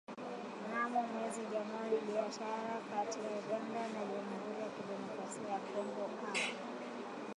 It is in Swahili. Mnamo mwezi Januari biashara kati ya Uganda na jamhuri ya kidemokrasia ya Kongo a